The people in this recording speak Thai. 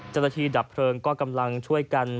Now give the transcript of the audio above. เจริญทีดับเพลิงก็กำลังช่วยกัน